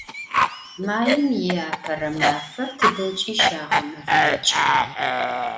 Maim yi Apere mafer tıdeç'i şağemefeç'ı.